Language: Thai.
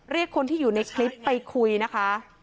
เรียกคนที่อยู่ในคลิปไปคุยนะคะ